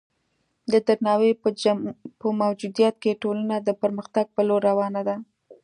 د درناوي په موجودیت کې ټولنه د پرمختګ په لور روانه ده.